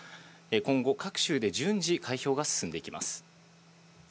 今後、各州で順次開票が進んでいきます。